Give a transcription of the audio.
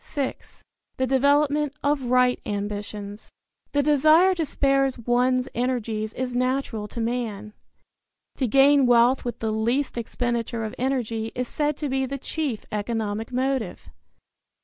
VI. THE DEVELOPMENT OF RIGHT AMBITIONS. The desire to spare one's energies is natural to man. To gain wealth with the least expenditure of energy is said to be the chief economic motive.